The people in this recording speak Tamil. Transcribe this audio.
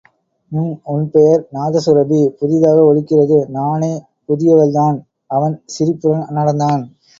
ம்... உன் பெயர்? நாதசுரபி!.. புதிதாக ஒலிக்கிறது! நானே புதியவள்தான்! அவன் சிரிப்புடன் நடந்தான்.